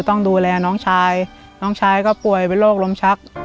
ต้องดูแลน้องชายน้องชายก็ป่วยเป็นโรคลมชัก